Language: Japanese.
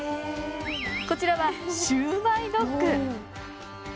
こちらはシューマイドッグ。